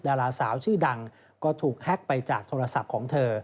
ดาราสาวชื่อดังก็ถูกแฮ็กไปจากโทรศัพท์ของเธอ